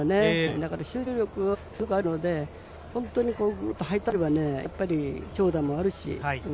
だから集中力、すごくあるので本当に、ググッと入ったときはやっぱり、長打もあるし。